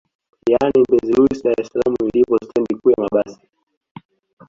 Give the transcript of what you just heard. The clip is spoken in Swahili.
Yani Mbezi Luis Dar es salaam ilipo stendi kuu ya mabasi